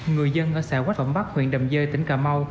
người dân ở xã quách phẩm bắc huyện đầm dơi tỉnh cà mau